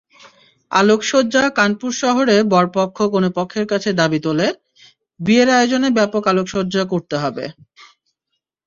আলোকসজ্জাকানপুর শহরে বরপক্ষ কনেপক্ষের কাছে দাবি তোলে, বিয়ের আয়োজনে ব্যাপক আলোকসজ্জা করতে হবে।